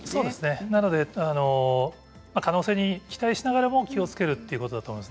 可能性に期待しながらも気をつけるということだと思います。